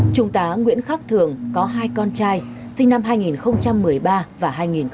chúng ta nguyễn khắc thường có hai con trai sinh năm hai nghìn một mươi ba và hai nghìn một mươi bốn